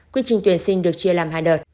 quyết trình tuyển sinh được chia làm hai đợt